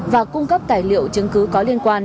và cung cấp tài liệu chứng cứ có liên quan